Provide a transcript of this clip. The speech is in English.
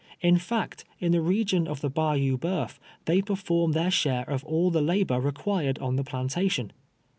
In fact, in the region of the Bayou Bujuf they i")erform their share of all the la1)or required on the plantation.